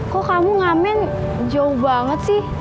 kok kamu ngamen jauh banget sih